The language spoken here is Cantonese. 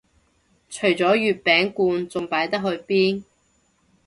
除咗月餅罐仲擺得去邊